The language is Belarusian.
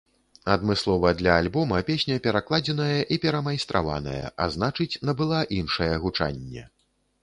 Адмыслова для альбома песня перакладзеная і перамайстраваная, а значыць набыла іншае гучанне.